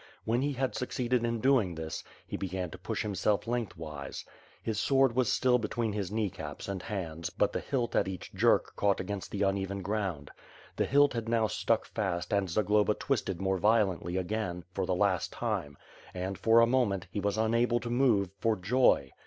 When he had succeeded in doing this, he began to push him self lengthwise. His sword was still between his kneecaps and hands but the hilt ait each jerk caught against the uneven ground. The hilt had now stuck fast and Zagloba twisted more violently again, for the last time; and, for a moment, he was unable to move for joy.